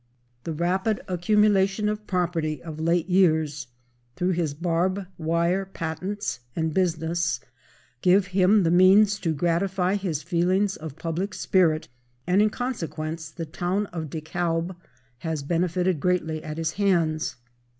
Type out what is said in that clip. The rapid accumulation of property of late years, through his barb wire patents and business, gave him the means to gratify his feelings of public spirit, and in consequence the town of DeKalb has benefited greatly at his hands.